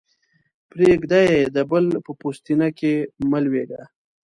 پرېږده يې؛ د بل په پوستينه کې مه لویېږه.